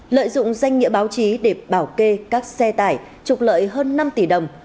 lợi dụng danh nghĩa báo chí để bảo kê các xe tải trục lợi hơn năm tỷ đồng